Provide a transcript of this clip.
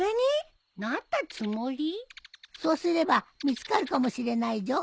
そうすれば見つかるかもしれないじょ。